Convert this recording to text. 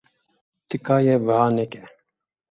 Tika ye wiha neke.